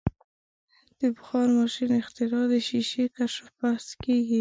د بخار ماشین اختراع د شیشې کشف بحث کیږي.